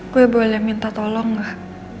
gue boleh minta tolong gak